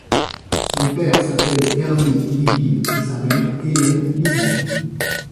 Son père s’appelle Ernie Lively et sa mère Elaine Lively.